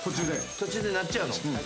途中で鳴っちゃうの。